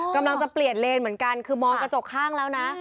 กำลังจะเปลี่ยนเลนเหมือนกันคือมองกระจกข้างแล้วนะ